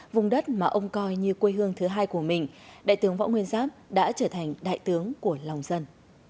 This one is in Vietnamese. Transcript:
vùng đất mà ông coi như quê hương thứ hai của mình đại tướng võ nguyên giáp đã trở thành đại tướng của lòng dân